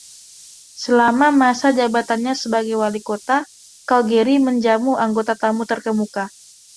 Selama masa jabatannya sebagai wali kota, Calgary menjamu anggota tamu terkemuka.